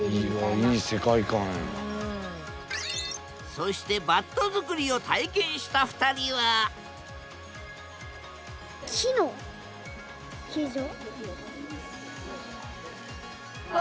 そしてバット作りを体験した２人はわ！